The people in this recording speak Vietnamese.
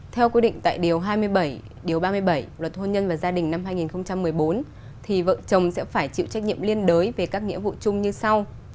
theo quy định tại điều hai mươi bảy điều ba mươi bảy luật hôn nhân và gia đình năm hai nghìn một mươi bốn thì vợ chồng sẽ phải chịu trách nhiệm liên đới về các nghĩa vụ chung như sau